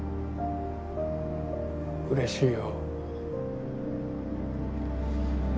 うれしいよ。